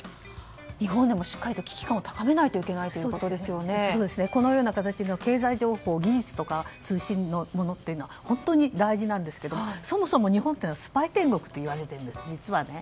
日本でも、しっかりと危機感を高めないとこのような形で経済情報、技術とか通信の情報というのは本当に大事なんですけどそもそも日本というのはスパイ天国といわれてるんです実はね。